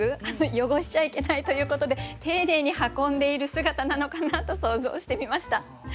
汚しちゃいけないということで丁寧に運んでいる姿なのかなと想像してみました。